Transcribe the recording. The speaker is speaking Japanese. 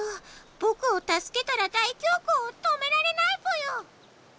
ぼくをたすけたら大凶光を止められないぽよ！